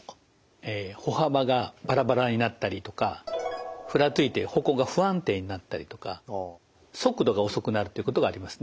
歩幅がバラバラになったりとかふらついて歩行が不安定になったりとか速度が遅くなるということがありますね。